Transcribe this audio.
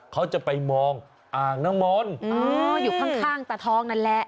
เขาจะไปมองอ่างน้ำมนต์อยู่ข้างตาทองนั่นแหละ